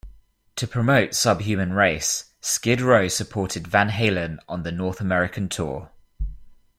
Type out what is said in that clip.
To promote "Subhuman Race", Skid Row supported Van Halen on the North American tour.